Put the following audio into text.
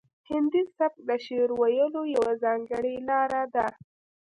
هندي سبک د شعر ویلو یوه ځانګړې لار ده